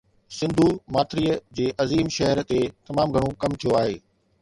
سنڌو ماٿريءَ جي عظيم شهر تي تمام گهڻو ڪم ٿيو آهي